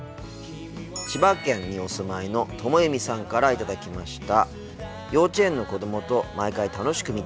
千葉県にお住まいのともゆみさんから頂きました。